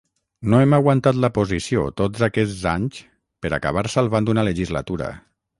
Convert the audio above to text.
No hem aguantat la posició tots aquests anys per acabar salvant una legislatura